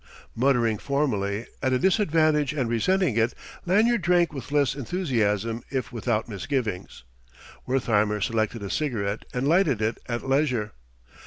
Muttering formally, at a disadvantage and resenting it, Lanyard drank with less enthusiasm if without misgivings. Wertheimer selected a cigarette and lighted it at leisure.